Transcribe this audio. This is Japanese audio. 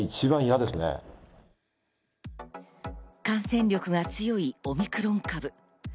感染力が強いオミクロン株。